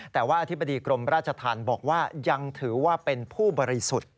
แต่ว่าอธิบดีกรมราชธรรมบอกว่ายังถือว่าเป็นผู้บริสุทธิ์